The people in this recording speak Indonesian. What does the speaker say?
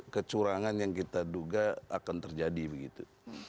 kecurangan yang kita duga akan terjadi begitu